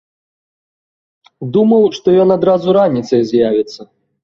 Думаў, што ён адразу раніцай з'явіцца.